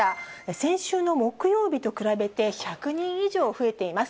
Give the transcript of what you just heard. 先週の木曜日と比べて１００人以上増えています。